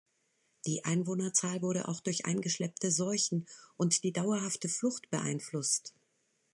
Die Einwohnerzahl wurde auch durch eingeschleppte Seuchen und die dauerhafte Flucht beeinflusst.